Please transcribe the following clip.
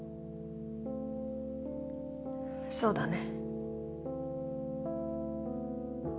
そうだね。